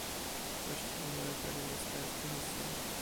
Właściwym organem jest teraz Komisja